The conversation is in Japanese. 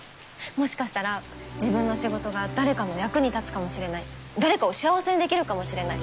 もしかしたら自分の仕事が誰かの役に立つかもしれない誰かを幸せにできるかもしれない。